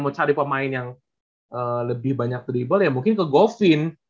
mau cari pemain yang lebih banyak treable ya mungkin ke govin